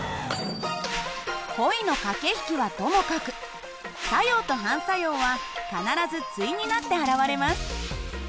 恋の駆け引きはともかく作用と反作用は必ず対になって現れます。